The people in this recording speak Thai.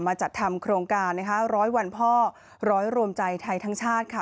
มาจัดทำโครงการ๑๐๐วันพ่อ๑๐๐โรมใจไทยทั้งชาติค่ะ